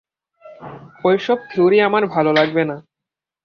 ঐ সব থিওরি তোমার ভালো লাগবে না।